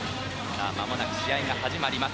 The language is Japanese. まもなく試合が始まります。